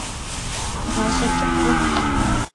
Гъащӏэ кӏыхь ухъу.